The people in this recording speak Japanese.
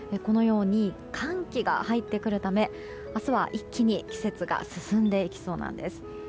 寒気が入ってくるため明日は一気に季節が進んでいきそうです。